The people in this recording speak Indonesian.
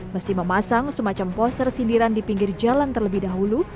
mesti memasang semacam poster sindiran di pinggir jalan terlebih dahulu